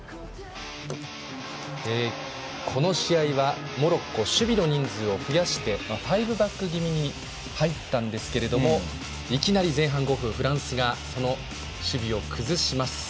この試合はモロッコ守備の人数を増やして５バック気味に入ったんですがいきなり前半５分、フランスがその守備を崩します。